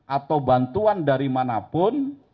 atau bantuan dari manapun